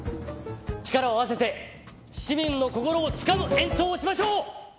力を合わせて、市民の心を掴む演奏しましょう！